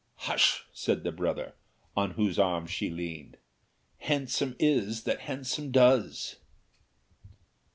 "Hush!" said the brother, on whose arm she leaned; "Handsome is that handsome does."